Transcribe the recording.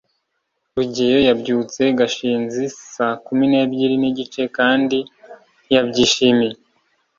rugeyo yabyutse gashinzi saa kumi n'ebyiri n'igice kandi ntiyabyishimiye